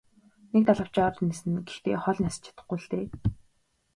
Нэг далавчаар ниснэ гэхдээ хол нисэж чадахгүй л дээ.